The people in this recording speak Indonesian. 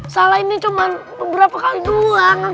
salahinnya cuma beberapa kali doang